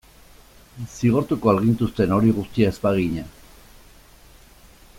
Zigortuko al gintuzten hori guztia ez bagina?